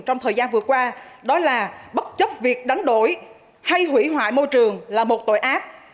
trong thời gian vừa qua đó là bất chấp việc đánh đổi hay hủy hoại môi trường là một tội ác